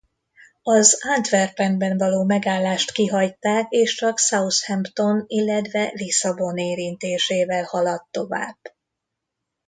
Az Antwerpenben való megállást kihagyták és csak Southampton illetve Lisszabon érintésével haladt tovább.